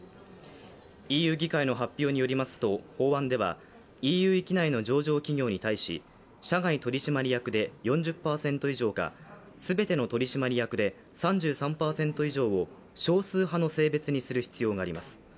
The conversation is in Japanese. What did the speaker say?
ＥＵ議会の発表によりますと、法案ではＥＵ域内の上場企業に対し社外取締役で４０％以上か全ての取締役で３３％以上を少数派の性別にする必要があります。